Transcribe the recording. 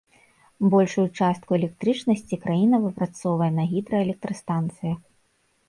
Большую частку электрычнасці краіна выпрацоўвае на гідраэлектрастанцыях.